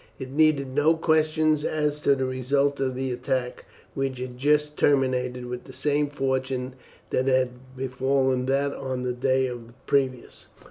It needed no questions as to the result of the attack, which had just terminated with the same fortune that had befallen that on the day previous.